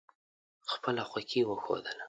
خپله خوښي وښودله.